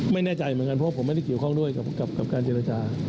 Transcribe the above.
ไม่แน่ใจเหมือนกันเพราะผมไม่ได้เกี่ยวข้องด้วยกับการเจรจา